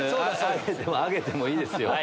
挙げてもいいですよ。